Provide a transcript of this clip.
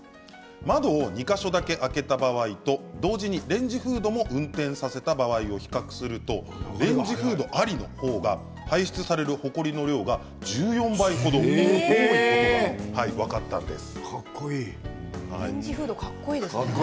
窓を２か所だけ開けた場合と同時にレンジフードも運転させた場合を比較するとレンジフードありの方が排出される、ほこりの量が１４倍程多いことが分かったんです。